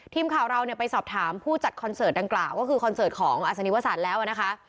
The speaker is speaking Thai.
ทีมข่าวเราไปสอบถามผู้จัดคอนเสิร์ตดังกล่าวก็คือคอนเสิร์ตของอัศนิวสัตว์แล้วนะคะ